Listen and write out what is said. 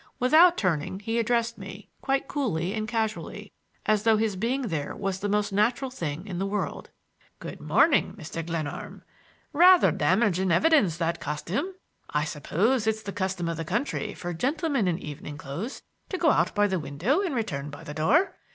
Without turning he addressed me, quite coolly and casually, as though his being there was the most natural thing in the world. "Good morning, Mr. Glenarm! Rather damaging evidence, that costume. I suppose it's the custom of the country for gentlemen in evening clothes to go out by the window and return by the door.